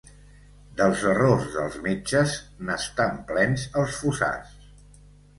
Dels errors dels metges, n'estan plens els fossars.